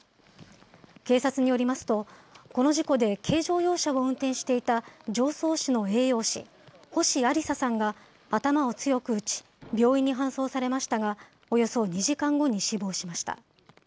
警察によりますと、この事故で軽乗用車を運転していた常総市の栄養士、星有里紗さんが頭を強く打ち、病院に搬送されましたがおよそ２時間後に死亡しました。